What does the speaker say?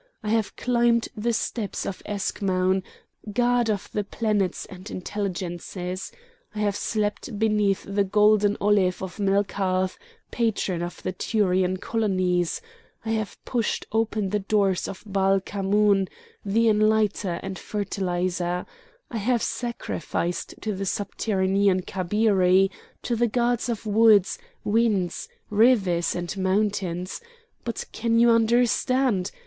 I have climbed the steps of Eschmoun, god of the planets and intelligences; I have slept beneath the golden olive of Melkarth, patron of the Tyrian colonies; I have pushed open the doors of Baal Khamon, the enlightener and fertiliser; I have sacrificed to the subterranean Kabiri, to the gods of woods, winds, rivers and mountains; but, can you understand?